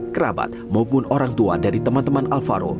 kerabat maupun orang tua dari teman teman alvaro